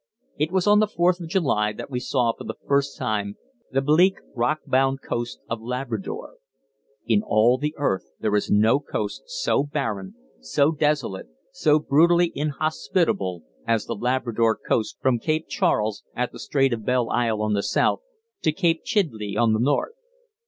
It was on the Fourth of July that we saw for the first time the bleak, rock bound coast of Labrador. In all the earth there is no coast so barren, so desolate, so brutally inhospitable as the Labrador coast from Cape Charles, at the Strait of Belle Isle on the south, to Cape Chidley on the north.